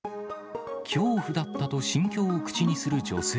恐怖だったと心境を口にする女性。